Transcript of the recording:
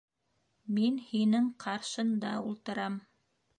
Мин һинең ҡаршында ултырам.